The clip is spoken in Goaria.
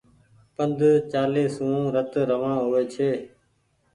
پند چآلي سون رت روآن هووي ڇي۔